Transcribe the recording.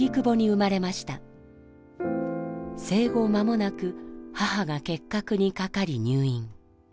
生後間もなく母が結核にかかり入院。